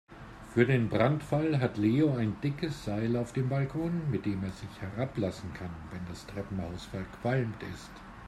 Für den Brandfall hat Leo ein dickes Seil auf dem Balkon, mit dem er sich herablassen kann, wenn das Treppenhaus verqualmt ist.